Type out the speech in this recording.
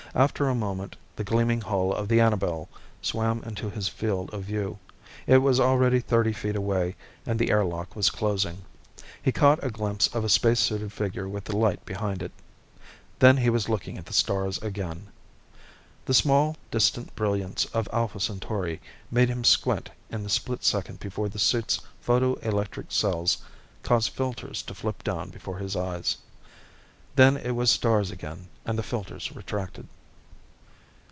After a moment, the gleaming hull of the Annabel swam into his field of view. It was already thirty feet away and the air lock was closing. He caught a glimpse of a spacesuited figure with the light behind it. Then he was looking at the stars again. The small, distant brilliance of Alpha Centauri made him squint in the split second before the suit's photoelectric cells caused filters to flip down before his eyes. Then it was stars again, and the filters retracted.